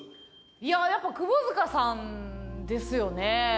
いややっぱ窪塚さんですよね。